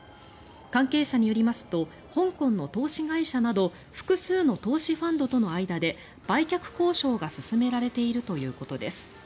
関係者によりますと香港の投資会社など複数の投資ファンドとの間で売却交渉が進められているということです。